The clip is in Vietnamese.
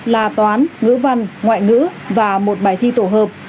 là toán ngữ văn ngoại ngữ và một bài thi tổ hợp